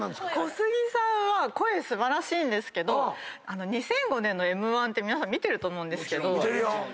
小杉さんは声素晴らしいんですけど２００５年のＭ−１って皆さん見てると思うんですけど。